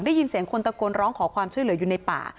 ได้ยินเสียงคนตะโกนร้องขอความช่วยเหลืออยู่ในป่า